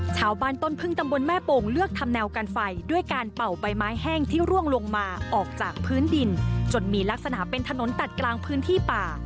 ชาวบ้านต้นพึ่งตำบลแม่โป่งเลือกทำแนวกันไฟด้วยการเป่าใบไม้แห้งที่ร่วงลงมาออกจากพื้นดินจนมีลักษณะเป็นถนนตัดกลางพื้นที่ป่า